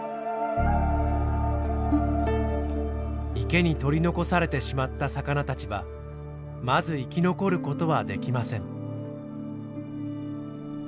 池に取り残されてしまった魚たちはまず生き残る事はできません。